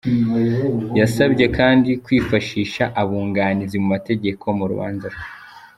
Yasabye kandi kwifashisha abunganizi mu mategeko mu rubanza rwe.